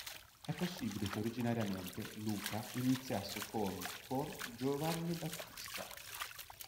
È possibile che originariamente "Luca" iniziasse con con Giovanni Battista.